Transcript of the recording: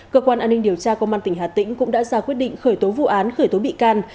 cơ quan an ninh điều tra công an tỉnh hà tĩnh cũng đã ra quyết định khởi tố vụ án khởi tố bị can